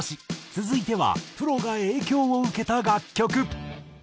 続いてはプロが影響を受けた楽曲。